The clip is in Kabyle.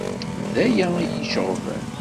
D aya iyi-iceɣben.